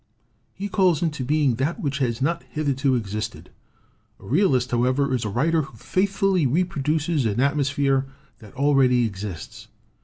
He calls into being that which has not hitherto existed. "A realist, however, is a writer who faithfully reproduces an atmosphere that already exists.